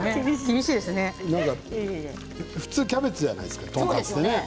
普通キャベツじゃないですかトンカツって。